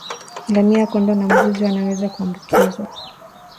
Ngamia kondoo na mbuzi wanaweza kuambukizwa